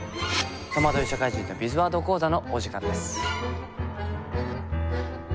「とまどい社会人のビズワード講座」のお時間です。